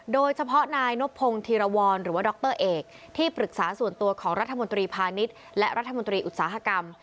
โดยเฉพาะนายนพงธีรวรหรือว่าดรเอกที่ปรึกษาส่วนตัวของรัฐมนตรีพาณิชย์และรัฐมนตรีอุตสาหกรรม